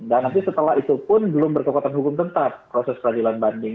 dan nanti setelah itu pun belum berkekuatan hukum tetap proses peradilan banding